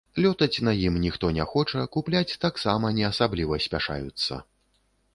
Лётаць на ім ніхто не хоча, купляць таксама не асабліва спяшаюцца.